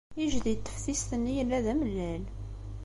Ijdi n teftist-nni yella d amellal.